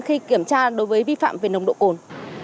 khi kiểm tra đối với vi phạm về nồng độ cồn